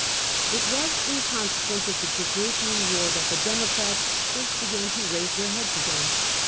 It was in consequence of the Jugurthine war that the Democrats first began to raise their heads again.